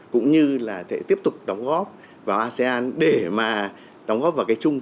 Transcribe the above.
cũng như là sẽ tiếp tục đóng góp vào asean để mà đóng góp vào cái chung